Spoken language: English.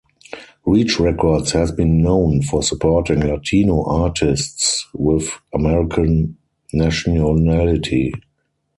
Reach Records has been known for supporting Latino artists with American nationality.